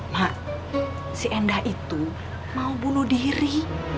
mak si endah itu mau bunuh diri